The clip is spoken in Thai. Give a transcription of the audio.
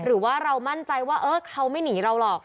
หรือว่าเรามั่นใจว่าเขาไม่หนีเราหรอก